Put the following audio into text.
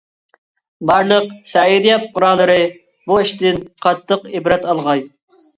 بارلىق سەئىدىيە پۇقرالىرى بۇ ئىشتىن قاتتىق ئىبرەت ئالغاي.